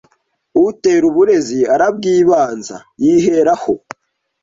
Utera uburezi arabwibanza yiheraho